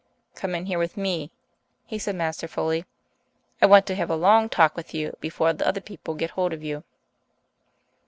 "Come in here with me," he said masterfully. "I want to have a long talk with you before the other people get hold of you."